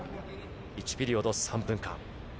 １ピリオド３分間。